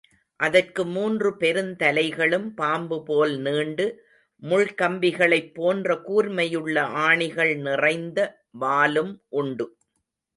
அதற்கு மூன்று பெருந்தலைகளும், பாம்புபோல் நீண்டு, முள்கம்பிகளைப் போன்ற கூர்மையுமுள்ள ஆணிகள் நிறைந்த வாலும் உண்டு.